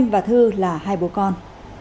và hai bố con